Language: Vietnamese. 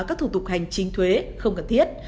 các thủ tục hành chính thuế không cần thiết